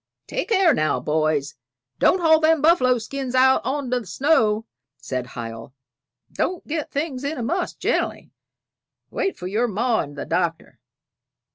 "Take care now, boys; don't haul them buffalo skins out on t' the snow," said Hiel. "Don't get things in a muss gen'ally; wait for your ma and the Doctor.